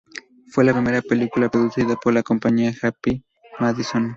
Fue la primera película producida por la compañía Happy Madison.